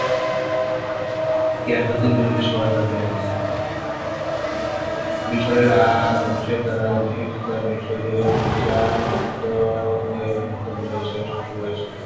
মিশরের দার আল-ইফতা মিশরীয় বিচার মন্ত্রকের অন্যতম বিভাগ হিসাবে শুরু হয়েছিল।